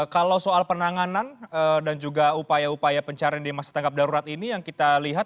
kalau soal penanganan dan juga upaya upaya pencarian di masa tanggap darurat ini yang kita lihat